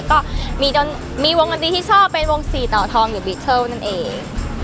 ก็มีวงกันดีที่ชอบเป็น๔ต่อทองหรือบิทเทิร์ว์นั่นเอง